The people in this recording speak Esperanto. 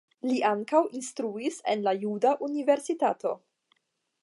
Li ankaŭ instruis en la Juda Universitato.